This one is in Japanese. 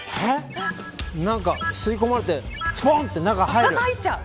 何か吸い込まれてすぽんって中に入る。